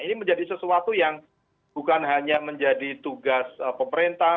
ini menjadi sesuatu yang bukan hanya menjadi tugas pemerintah